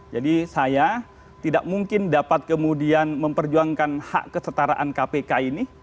jadi saya tidak mungkin dapat kemudian memperjuangkan hak kesetaraan kpk ini